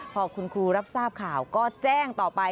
พอคุณครูรับทราบข่าวก็แจ้งต่อไป